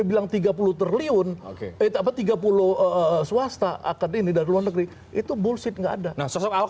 bilang tiga puluh triliun itu apa tiga puluh swasta akan ini dari luar negeri itu bolsit nggak ada nah sosok ahok